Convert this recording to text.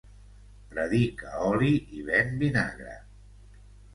Predica oli i ven vinagre.